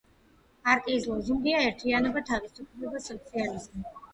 პარტიის ლოზუნგია „ერთიანობა, თავისუფლება, სოციალიზმი“.